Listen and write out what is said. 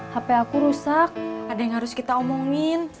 hp aku rusak ada yang harus kita omongin